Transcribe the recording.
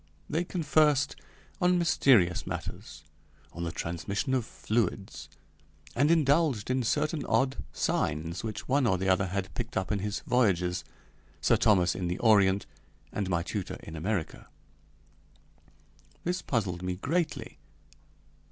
They conversed on mysterious matters, on the transmission of fluids, and indulged in certain odd signs which one or the other had picked up in his voyages Sir Thomas in the Orient, and my tutor in America. This puzzled me greatly.